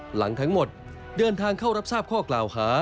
หลังทั้งหมดเดินทางเข้ารับทราบข้อกล่าวหา